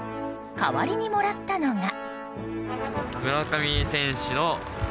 代わりにもらったのが。